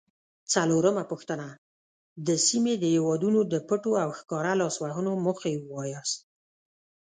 څلورمه پوښتنه: د سیمې د هیوادونو د پټو او ښکاره لاسوهنو موخې ووایاست؟